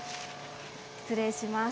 失礼します。